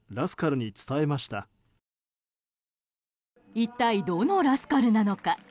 一体どのラスカルなのか。